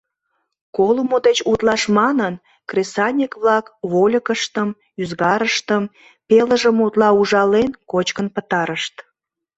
Колымо деч утлаш манын, кресаньык-влак вольыкыштым, ӱзгарыштым, пелыжым утла ужален, кочкын пытарышт.